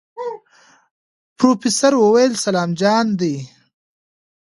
پروفيسر وويل سلام جان دی.